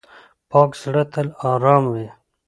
پاک زړه تل آرام وي.